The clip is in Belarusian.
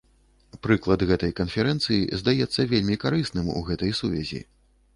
Прыклад гэтай канферэнцыі здаецца вельмі карысным у гэтай сувязі.